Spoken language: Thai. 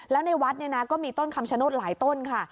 แล้วในวัดเนี่ยนะก็มีต้นคำชโนธหลายต้นค่ะ